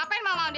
li gs banget sih